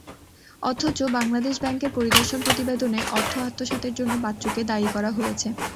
অথচ বাংলাদেশ ব্যাংকের পরিদর্শন প্রতিবেদনে অর্থ আত্মসাতের জন্য বাচ্চুকে দায়ী করা হয়েছে।